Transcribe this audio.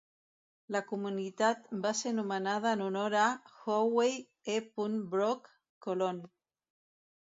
La comunitat va ser nomenada en honor a Huey E. Brock, colon.